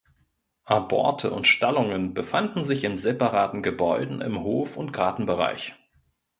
Aborte und Stallungen befanden sich in separaten Gebäuden im Hof- und Gartenbereich.